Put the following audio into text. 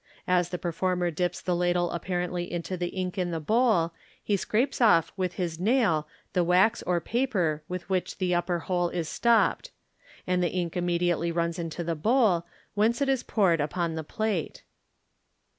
As the performer dips the ladle apparently into the ink in the bowl, he scrapes off with his nai1 the wax or paper with which the upper hole is stopped, and the ink immediately runs into the bowl, whence it is poured upon the plate.